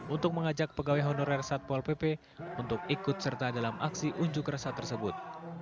untuk mengajak pegawai honorer satpol pp untuk ikut serta dalam aksi unjuk rasa tersebut